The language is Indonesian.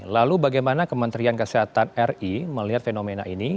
lalu bagaimana kementerian kesehatan ri melihat fenomena ini